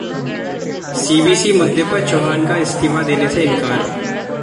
CVC मुद्दे पर चव्हाण का इस्तीफा देने से इंकार